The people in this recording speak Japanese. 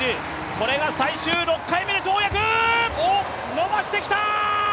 これが最終６回目の跳躍、伸ばしてきた。